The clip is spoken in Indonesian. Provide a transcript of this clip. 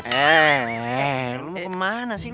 eh eh lu kemana sih